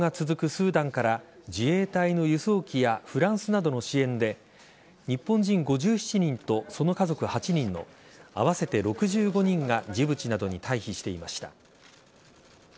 スーダンから自衛隊の輸送機やフランスなどの支援で日本人５７人と、その家族８人の合わせて６５人がジブチなどに退避していました。